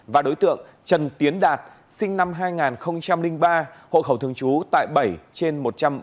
và đối tượng trần tiến đạt sinh năm hai nghìn ba hộ khẩu thường trú tại bảy trên một trăm bảy mươi